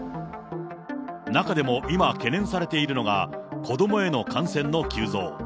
中でも今懸念されているのが、子どもへの感染の急増。